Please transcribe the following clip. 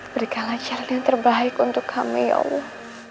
berikanlah cara yang terbaik untuk kami ya allah